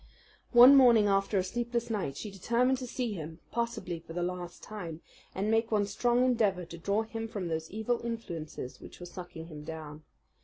One morning after a sleepless night she determined to see him, possibly for the last time, and make one strong endeavour to draw him from those evil influences which were sucking him down.